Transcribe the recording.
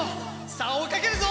さあおいかけるぞ！